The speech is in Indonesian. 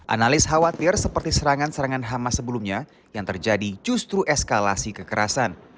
analis khawatir seperti serangan serangan hamas sebelumnya yang terjadi justru eskalasi kekerasan